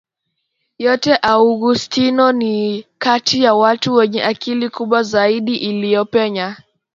yote Augustino ni kati ya watu wenye akili kubwa zaidi iliyopenya